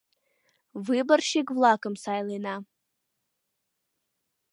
— Выборщик-влакым сайлена.